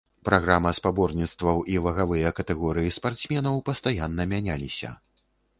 Праграма спаборніцтваў і вагавыя катэгорыі спартсменаў пастаянна мяняліся.